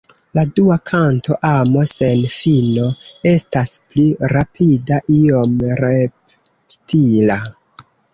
La dua kanto Amo sen fino estas pli rapida, iom rep-stila.